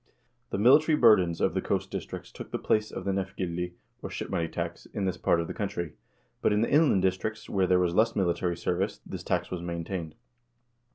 The military burdens of the coast districts took the place of the nefgildi, or shipmoney tax, in this part of the country, but in the inland districts, where there was less military service, this tax was maintained.